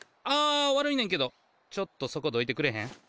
あ悪いねんけどちょっとそこどいてくれへん？